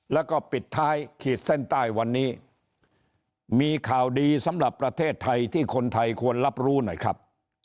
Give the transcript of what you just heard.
แล้วก็ปิดท้ายขีดเส้นใต้วันนี้มีข่าวดีสำหรับประเทศไทยที่คนไทยควรรับรู้หน่อยครับ